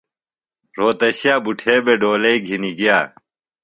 رھوتشے بُٹھے بھےۡ ڈولئی گِھنیۡ گِیہ۔